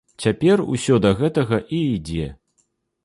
Цяпер усё да гэтага і ідзе.